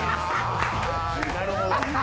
なるほど。